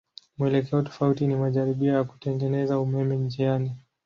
Mwelekeo tofauti ni majaribio ya kutengeneza umeme njiani.